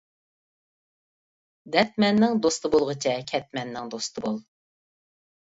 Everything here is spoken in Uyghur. دەردمەننىڭ دوستى بولغۇچە، كەتمەننىڭ دوستى بول.